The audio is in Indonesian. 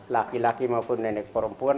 laki laki maupun nenek perempuan